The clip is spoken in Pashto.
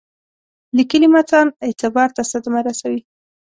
لیکلي متن اعتبار ته صدمه رسوي.